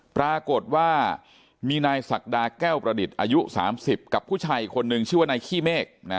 ปรากฏว่ามีนายศักดาแก้วประดิษฐ์อายุ๓๐กับผู้ชายอีกคนนึงชื่อว่านายขี้เมฆ